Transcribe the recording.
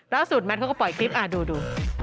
แล้วสุดแมทเขาก็ปล่อยคลิปดู